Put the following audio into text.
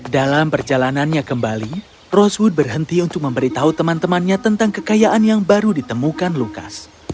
dalam perjalanannya kembali roswood berhenti untuk memberitahu teman temannya tentang kekayaan yang baru ditemukan lukas